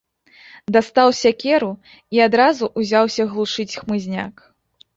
Дастаў сякеру і адразу ўзяўся глушыць хмызняк.